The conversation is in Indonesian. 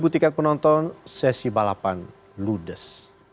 dua puluh tiket penonton sesi balapan ludes